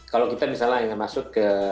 kalau kita misalnya ingin masuk ke